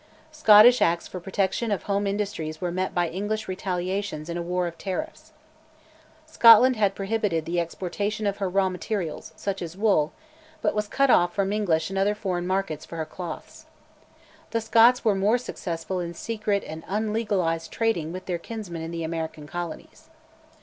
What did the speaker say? Scottish Acts for protection of home industries were met by English retaliation in a war of tariffs. Scotland had prohibited the exportation of her raw materials, such as wool, but was cut off from English and other foreign markets for her cloths. The Scots were more successful in secret and unlegalised trading with their kinsmen in the American colonies.